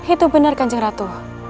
itu benar kanjeng ratu